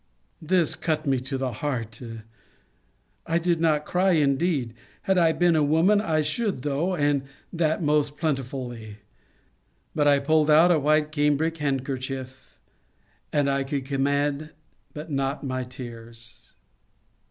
This cut me to the heart! I did not cry, indeed! Had I been a woman, I should though, and that most plentifully: but I pulled out a white cambrick handkerchief: that I could command, but not my tears.